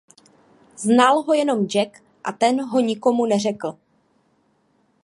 Znal ho jenom Jack a ten ho nikomu neřekl.